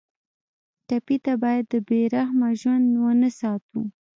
ټپي ته باید د بې رحمه ژوند نه وساتو.